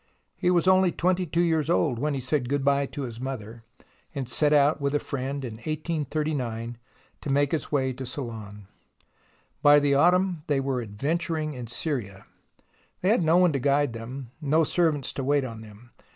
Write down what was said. He was only twenty two years old when he said good bye to his mother, and set out with a friend in 1839 to make his way to Ceylon. By the 124 THE ROMANCE OF EXCAVATION autumn they were adventuring in Syria. They had no one to guide them, no servants to wait on them.